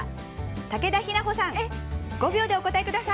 武田雛歩さん５秒でお答えください！